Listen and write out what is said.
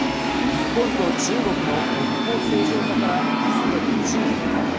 日本と中国の国交正常化から明日で５０年です。